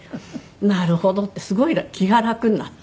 なるほどってすごい気が楽になった。